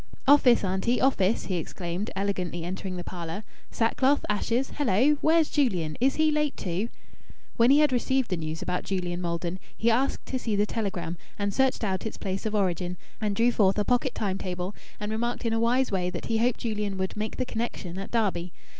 "Office, auntie, office!" he exclaimed, elegantly entering the parlour. "Sack cloth! Ashes! Hallo! where's Julian? Is he late too?" When he had received the news about Julian Maldon he asked to see the telegram, and searched out its place of origin, and drew forth a pocket time table, and remarked in a wise way that he hoped Julian would "make the connection" at Derby.